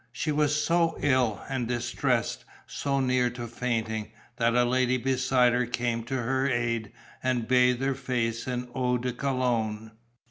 She was so ill and distressed, so near to fainting, that a lady beside her came to her aid and bathed her face in eau de Cologne....